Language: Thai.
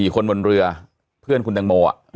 คนบนเรือเพื่อนคุณตังโม